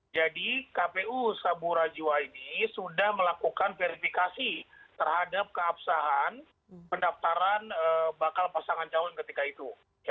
jadi kpu saburai jua ini sudah melakukan verifikasi terhadap keabsahan pendaftaran bakal pasangan calon ketika itu